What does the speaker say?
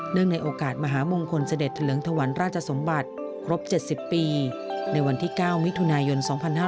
ในโอกาสมหามงคลเสด็จเถลิงถวันราชสมบัติครบ๗๐ปีในวันที่๙มิถุนายน๒๕๕๙